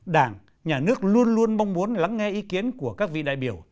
đảng nhà nước luôn luôn mong muốn lắng nghe ý kiến của các vị đại biểu